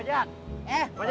ini apaan sih temennya